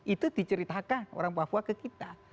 itu diceritakan orang papua ke kita